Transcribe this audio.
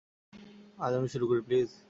আজ আমি শুরু করি, প্লিজ?